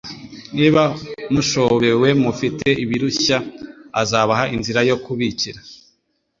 Niba mushobewe mufite ibirushya azabaha inzira yo kubikira.